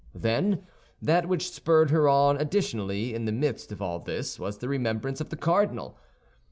Then that which spurred her on additionally in the midst of all this was the remembrance of the cardinal.